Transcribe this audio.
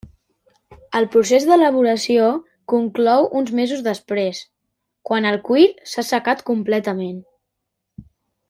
El procés d'elaboració conclou uns mesos després, quan el cuir s'ha assecat completament.